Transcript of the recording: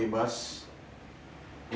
hai dengan meminta bu imas